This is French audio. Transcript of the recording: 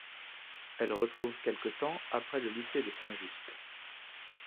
Elle retrouve quelque temps après le lycée de Saint-Just.